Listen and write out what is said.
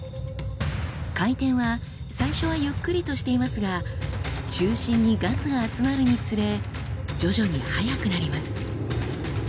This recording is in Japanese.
回転は最初はゆっくりとしていますが中心にガスが集まるにつれ徐々に速くなります。